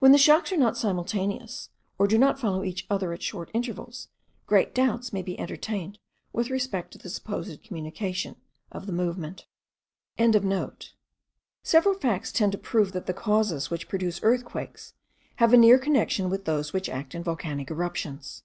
When the shocks are not simultaneous, or do not follow each other at short intervals, great doubts may be entertained with respect to the supposed communication of the movement.) Several facts tend to prove that the causes which produce earthquakes have a near connection with those which act in volcanic eruptions.